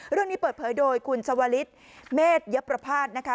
เรื่องนี้เปิดเผยโดยคุณชวลิศเมษยประภาษณ์นะคะ